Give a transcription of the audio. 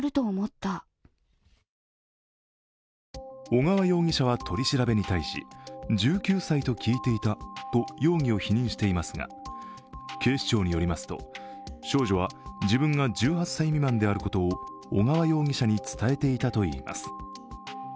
小川容疑者は取り調べに対し１９歳と聞いていたと容疑を否認していますが、警視庁によりますと、少女は自分が１８歳未満であることを小川容疑者に伝えていたといいます。